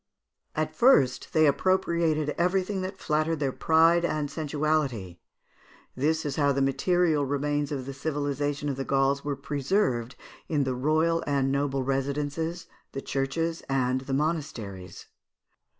At first, they appropriated everything that flattered their pride and sensuality. This is how the material remains of the civilisation of the Gauls were preserved in the royal and noble residences, the churches, and the monasteries.